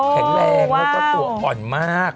แข็งแรงนางซะตัวอ่อนมาก